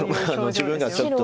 自分ではちょっと。